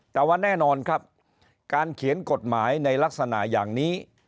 แต่ว่าแน่นอนครับการเขียนกฎหมายในลักษณะอย่างนี้